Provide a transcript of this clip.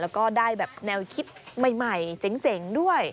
แล้วก็ได้แบบแนวคิดใหม่เจ๋งด้วย